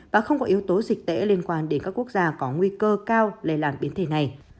và không có yếu tố dịch tễ liên quan đến các quốc gia có nguy cơ cao lây làn biến thể này